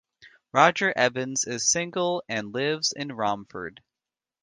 Roger Evans is single and lives in Romford.